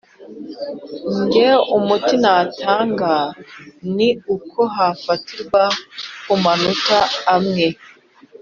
Nge umuti natanga ni uko hafatirwa ku manota amwe,